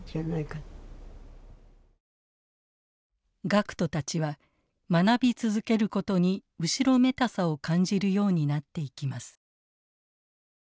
学徒たちは学び続けることに後ろめたさを感じるようになっていきます。